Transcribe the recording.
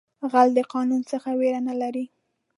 غل د قانون څخه ویره نه لري